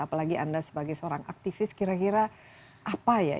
apalagi anda sebagai seorang aktivis kira kira apa ya